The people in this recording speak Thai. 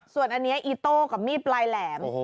ส่วนอันนี้อีโต้กับมีดปลายแหลม